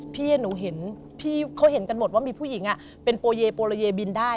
พี่หนูเห็นพี่เขาเห็นกันหมดว่ามีผู้หญิงเป็นโปเยโปโลเยบินได้